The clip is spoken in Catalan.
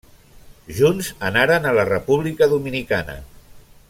Junts anaren a la República Dominicana.